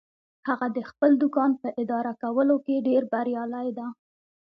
هغه د خپل دوکان په اداره کولو کې ډیر بریالی ده